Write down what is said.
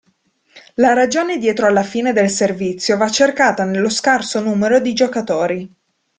La ragione dietro alla fine del servizio va cercata nello scarso numero di giocatori.